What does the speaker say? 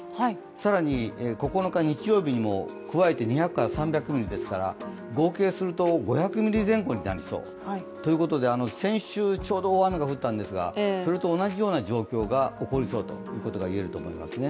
更に９日日曜日にも加えて２００から３００ミリですから合計すると５００ミリ前後になりそうということで、先週、ちょうど大雨が降ったんですがそれと同じような状況が起こりそうということが言えると思いますね。